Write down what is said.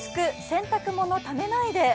洗濯物ためないで。